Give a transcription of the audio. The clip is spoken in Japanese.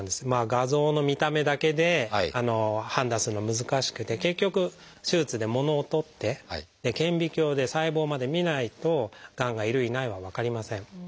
画像の見た目だけで判断するのは難しくて結局手術でものを取って顕微鏡で細胞までみないとがんがいるいないは分かりません。